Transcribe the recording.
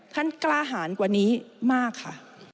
ท่านกล้าหารกว่านี้มากค่ะ